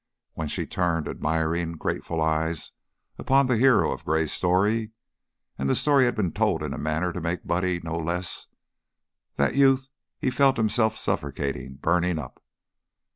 When she turned admiring, grateful eyes upon the hero of Gray's story and the story had been told in a manner to make Buddy no less that youth felt himself suffocating, burning up.